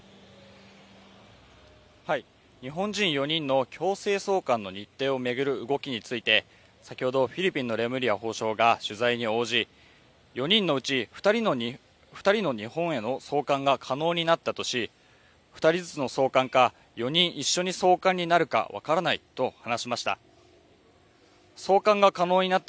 日本人４人の強制送還の日程を巡る動きについて先ほどフィリピンのレムリヤ法相が取材に応じ４人のうち、２人の日本への送還が可能になったとし、２人ずつの送還か、４人一緒に送還になるか分からないと話しました。